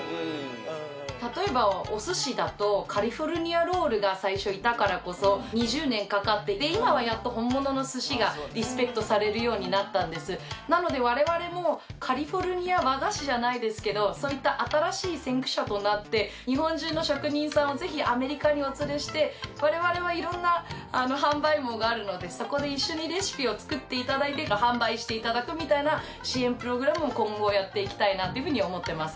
例えばお寿司だとカリフォルニアロールが最初いたからこそ２０年かかってで今はやっと本物の寿司がリスペクトされるようになったんですなので我々もカリフォルニア和菓子じゃないですけどそういった新しい先駆者となって日本中の職人さんをぜひアメリカにお連れして我々はいろんな販売網があるのでそこで一緒にレシピを作っていただいて販売していただくみたいな支援プログラムを今後やっていきたいなというふうに思ってます